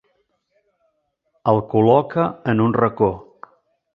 El col·loca en un racó.